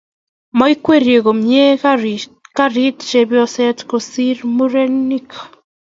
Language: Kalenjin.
Maikwerie komnyei karit chepyosok ku murenik